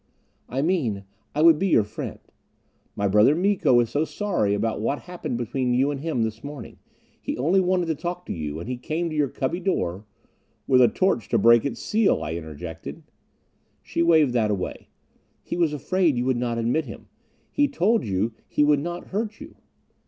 "I mean, I would be your friend. My brother Miko is so sorry about what happened between you and him this morning. He only wanted to talk to you, and he came to your cubby door " "With a torch to break its seal," I interjected. She waved that away. "He was afraid you would not admit him. He told you he would not hurt you."